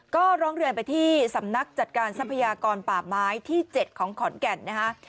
ก็ร้องเรียนไปที่สำนักจัดการทรัพยากรป่าไม้ที่๗ของขอนแก่นนะคะ